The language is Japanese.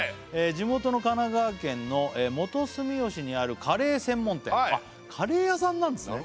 「地元の神奈川県の元住吉にあるカレー専門店」あっカレー屋さんなんですね